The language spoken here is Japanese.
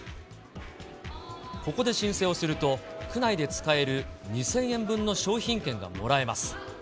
ここで申請をすると、区内で使える２０００円分の商品券がもらえます。